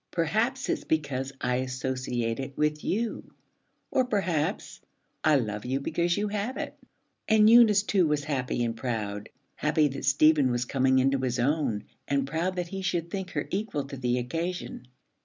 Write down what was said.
Perhaps it's because I associate it with you, or perhaps I love you because you have it.' And Eunice too was happy and proud: happy that Stephen was coming into his own, and proud that he should think her equal to the occasion.